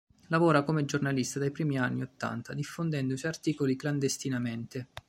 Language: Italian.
Lavora come giornalista dai primi anni Ottanta, diffondendo i suoi articoli clandestinamente.